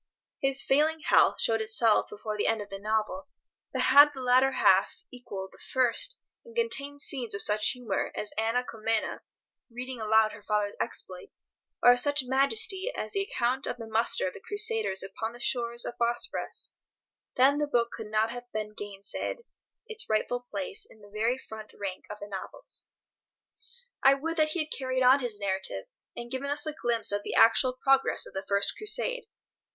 His failing health showed itself before the end of the novel, but had the latter half equalled the first, and contained scenes of such humour as Anna Comnena reading aloud her father's exploits, or of such majesty as the account of the muster of the Crusaders upon the shores of the Bosphorus, then the book could not have been gainsaid its rightful place in the very front rank of the novels. I would that he had carried on his narrative, and given us a glimpse of the actual progress of the First Crusade.